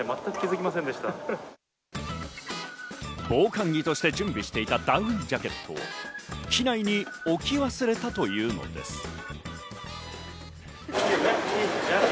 防寒着として準備していたダウンジャケットを機内に置き忘れたというのです。